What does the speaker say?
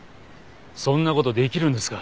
そんな事できるんですか？